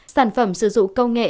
sản phẩm sử dụng công nghệ